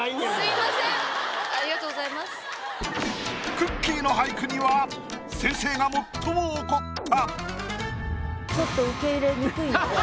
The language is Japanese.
くっきー！の俳句には先生が最も怒った。